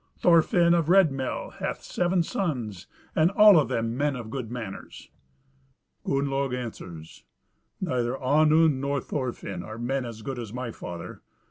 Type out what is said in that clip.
Thorfin of Red Mel hath seven sons, and all of them men of good manners." Gunnlaug answers, "Neither Onund nor Thorfin are men as good as my father.